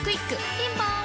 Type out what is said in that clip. ピンポーン